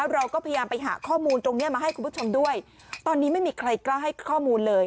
เราก็พยายามไปหาข้อมูลตรงนี้มาให้คุณผู้ชมด้วยตอนนี้ไม่มีใครกล้าให้ข้อมูลเลย